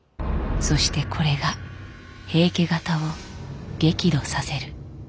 そしてこれが平家方を激怒させる。